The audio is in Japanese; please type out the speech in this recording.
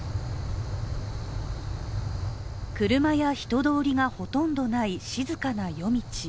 車や人通りがほとんどない静かな夜道。